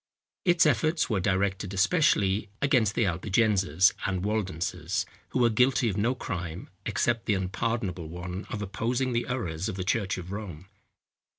Its efforts were directed especially against the Albigenses and Waldenses, who were guilty of no crime, except the unpardonable one of opposing the errors of the church of Rome.